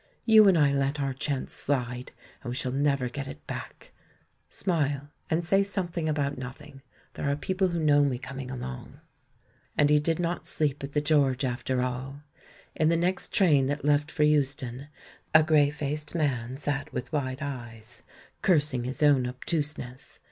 You and I let our chance slide, and we shall never get it back. ... Smile, and say something about nothing — there are people who know me coming along." And he did not sleep at the George after all; in the next train that left for Euston, a grey faced man sat with wide eyes, cursing his own obtuseness.